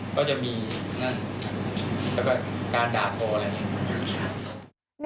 ก็จะมีการด่าทออะไรอย่างนี้